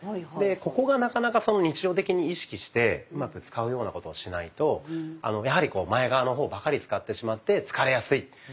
でここがなかなか日常的に意識してうまく使うようなことをしないとやはり前側の方ばかり使ってしまって疲れやすい。